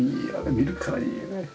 見るからにいいよね。